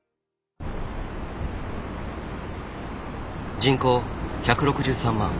人口１６３万